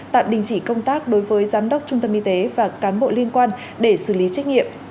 tạm đình chỉ công tác đối với giám đốc trung tâm y tế và cán bộ liên quan để xử lý trách nhiệm